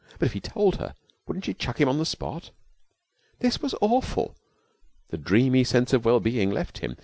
But if he told her, wouldn't she chuck him on the spot? This was awful. The dreamy sense of well being left him.